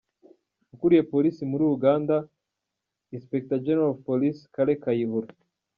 Ukuriye Polisi muri Uganda, Inspector General of Police Kale Kayihura